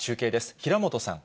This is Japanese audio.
平本さん。